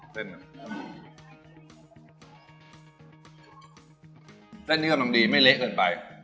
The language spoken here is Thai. เท้านี้กระจ่ำดีไม่เละเกินไป